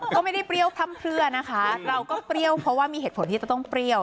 ก็ไม่ได้เปรี้ยวพร่ำเพลือนะคะเราก็เปรี้ยวเพราะว่ามีเหตุผลที่จะต้องเปรี้ยว